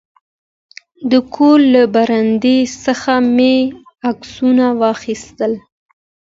د کور له برنډې څخه مې عکسونه واخیستل.